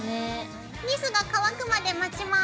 ニスが乾くまで待ちます。